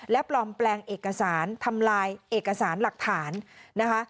และปลอมแปลงเอกสารทำลายเอกสารหลักฐานนะคะ